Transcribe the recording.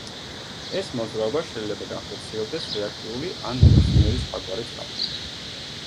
ეს მოძრაობა შეიძლება განხორციელდეს რეაქტიული, ან ნებისმიერი სხვაგვარი ძრავით.